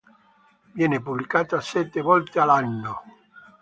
Viene pubblicata sette volte all'anno.